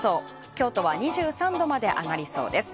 京都は２３度まで上がりそうです。